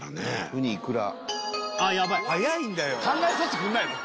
ウニ・イクラああヤバい考えさせてくんないの？